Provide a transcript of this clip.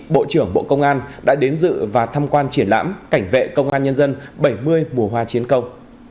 bộ trưởng bộ công an đã đến dự và tham quan triển lãm cảnh vệ công an nhân dân bảy mươi mùa hoa chiến công